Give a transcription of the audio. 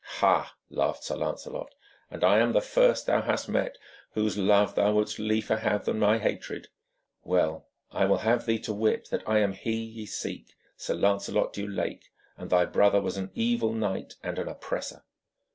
'Ha!' laughed Sir Lancelot, 'and I am the first thou hast met whose love thou wouldst liefer have than my hatred? Well, I will have thee to wit that I am he ye seek, Sir Lancelot du Lake, and thy brother was an evil knight and an oppressor.'